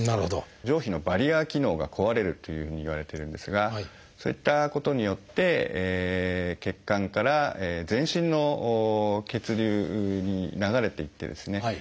上皮のバリア機能が壊れるというふうにいわれてるんですがそういったことによって血管から全身の血流に流れていってですね